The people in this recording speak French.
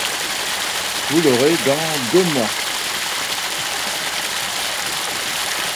Vous l’aurez dans deux mois.